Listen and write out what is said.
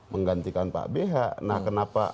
menggantikan pak bh nah kenapa